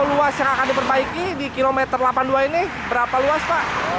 luas yang akan diperbaiki di kilometer delapan puluh dua ini berapa luas pak